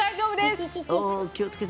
気をつけて！